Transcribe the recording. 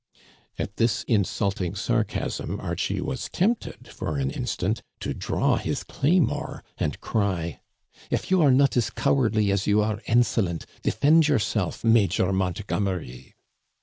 At this insulting sarcasm Archie was tempted for an instant to draw his claymore and cry :" If you are not as cowardly as you are insolent, defend yourself, Major Montgomery